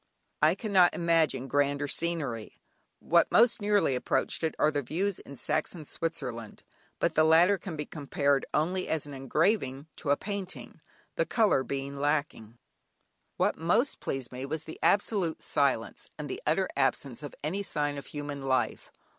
I cannot imagine grander scenery; what most nearly approach it are views in Saxon Switzerland, but the latter can be compared only as an engraving to a painting, the colour being lacking. What most impressed me was the absolute silence, and the utter absence of any sign of human life.